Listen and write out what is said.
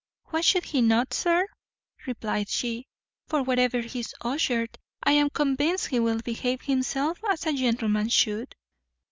"Why should he not, sir?" replied she, "for, wherever he is ushered, I am convinced he will behave himself as a gentleman should."